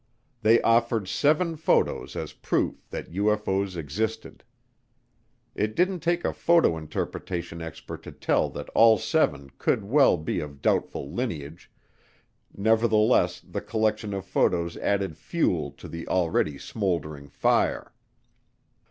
They offered seven photos as proof that UFO's existed. It didn't take a photo interpretation expert to tell that all seven could well be of doubtful lineage, nevertheless the collection of photos added fuel to the already smoldering fire.